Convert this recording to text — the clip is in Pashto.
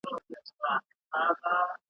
زه به مي څنګه په سیالانو کي عیدګاه ته ځمه ,